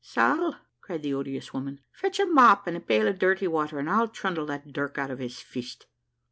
"Sall," cried the odious woman, "fetch a mop and a pail of dirty water, and I'll trundle that dirk out of his fist."